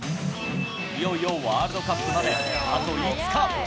いよいよワールドカップまであと５日。